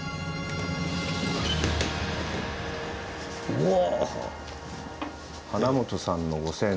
うわ。